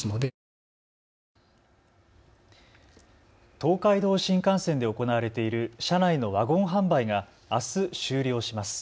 東海道新幹線で行われている車内のワゴン販売があす終了します。